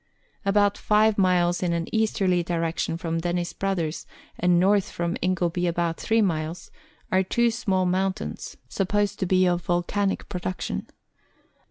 About five miles in an easterly direction from Dennis Brothers, and north from Ingleby about three miles, are two small mountains, supposed to be of volcanic production.